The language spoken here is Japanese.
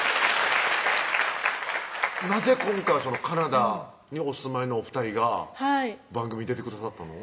なぜ今回カナダにお住まいのお２人が番組出てくださったの？